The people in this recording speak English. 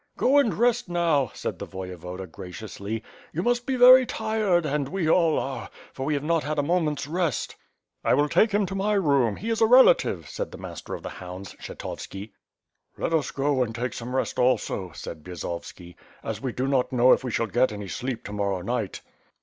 "Go and rest now," said the Voyevoda, graciously, "you must be very tired, as we all are, for we have not had a moment's rest." "I will take him to my room, he is a relative," said the Master of the Hounds Kshetovski. "Let us go and take some rest also," said Bjozovski, "as we do not know if we shall get any sleep to morrow night."